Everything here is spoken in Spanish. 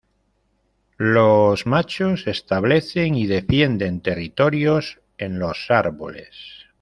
Los machos establecen y defienden territorios en los árboles.